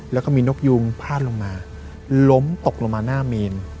แล้วก็มีนกยูงพาดลงมาล้มตกลงมาหน้าเมน